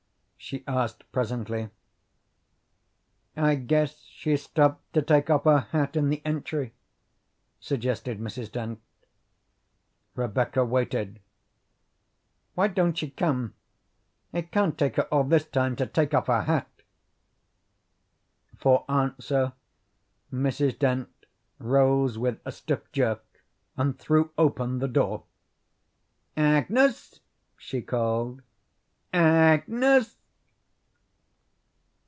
she asked presently. "I guess she's stopped to take off her hat in the entry," suggested Mrs. Dent. Rebecca waited. "Why don't she come? It can't take her all this time to take off her hat." For answer Mrs. Dent rose with a stiff jerk and threw open the door. "Agnes!" she called. "Agnes!"